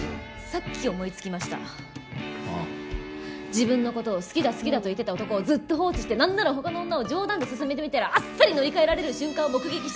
自分の事を好きだ好きだと言ってた男をずっと放置してなんなら他の女を冗談で勧めてみたらあっさり乗り換えられる瞬間を目撃しちゃった